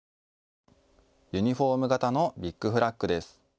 ユニフォーム型のビッグフラッグです。